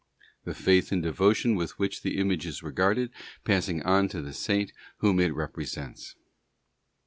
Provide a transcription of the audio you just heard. The faith and devotion with which the image is regarded passing on to the Saint whom it represents.